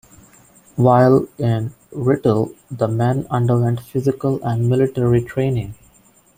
While in Writtle the men underwent physical and military training.